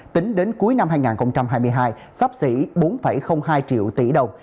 tính đến cuối năm hai nghìn hai mươi hai sắp xỉ bốn hai triệu tỷ đồng